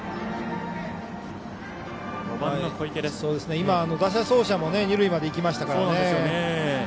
今、打者走者が二塁までいきましたので。